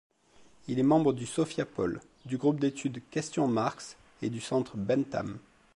Il est membre du Sophiapol, du Groupe d'études Question Marx et du Centre Bentham.